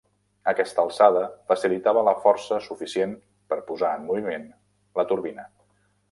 Aquesta alçada facilitava la força suficient per posar en moviment la turbina.